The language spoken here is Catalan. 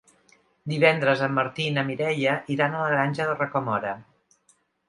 Divendres en Martí i na Mireia iran a la Granja de Rocamora.